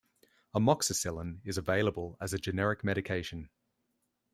Amoxicillin is available as a generic medication.